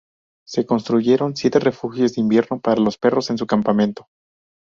Se construyeron siete refugios de invierno para los perros en su campamento.